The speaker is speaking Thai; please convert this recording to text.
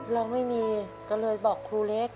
เราไม่มีก็เลยบอกครูเล็ก